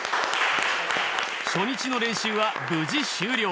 初日の練習は無事終了。